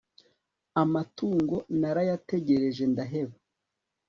amatungo narayategereje ndaheba